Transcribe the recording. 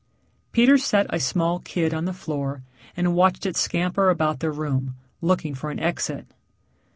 Peter set a small kid on the floor and watched it scamper about the room, looking for an exit.